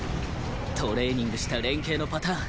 トレーニングした連携のパターン